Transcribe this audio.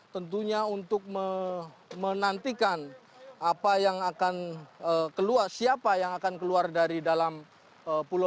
tentunya untuk menantikan siapa yang akan keluar dari dalam pulau